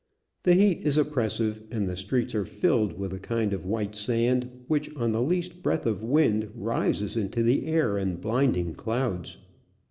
The heat is oppressive, and the streets are filled with a kind of white sand which, on the least breath of wind, rises into the air in blinding clouds.